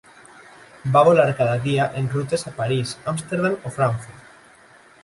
Va volar cada dia en rutes a París, Amsterdam o Frankfurt.